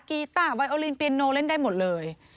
กีต้าไวโอลินเปียโนเล่นได้หมดเลย